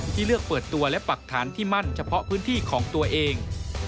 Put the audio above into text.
เลือกเปิดตัวและปักฐานที่มั่นเฉพาะพื้นที่ของตัวเอง